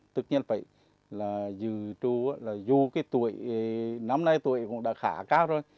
tất nhiên là dù năm nay tuổi cũng đã khả cáo rồi